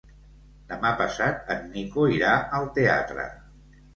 Demà passat en Nico irà al teatre.